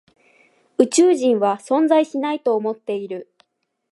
宇宙人は存在しないと思っている。